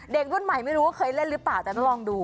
เด็กรุ่นใหม่ไม่รู้ว่าเคยเล่นหรือเปล่าแต่ต้องลองดู